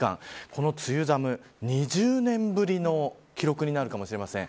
この梅雨寒、２０年ぶりの記録になるかもしれません。